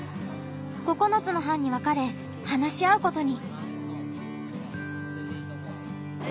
９つの班に分かれ話し合うことに。